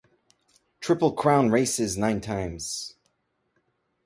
Triple Crown races nine times.